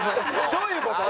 どういう事？